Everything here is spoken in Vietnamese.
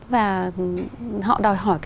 và họ đòi hỏi